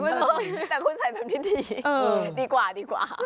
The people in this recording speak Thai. แต่คุณใส่แบบนี้ดีดีกว่าดีกว่า